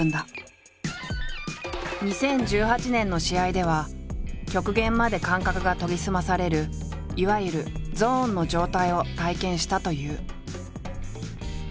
２０１８年の試合では極限まで感覚が研ぎ澄まされるいわゆる「ゾーン」の状態を体験したという。